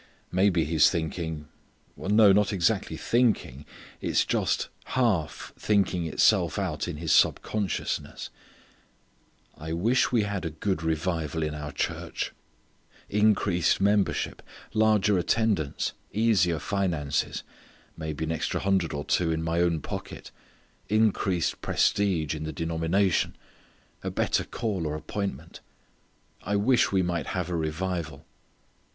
Maybe he is thinking; no, not exactly thinking; it is just half thinking itself out in his sub consciousness "I wish we had a good revival in our church; increased membership; larger attendance; easier finances; may be an extra hundred or two in my own pocket; increased prestige in the denomination; a better call or appointment: I wish we might have a revival."